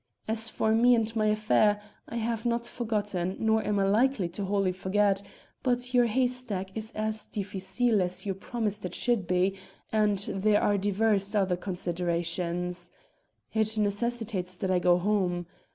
As for me and my affair, I have not forgotten, nor am I likely wholly to forget; but your haystack is as difficile as you promised it should be, and there are divers other considerations. It necessitates that I go home.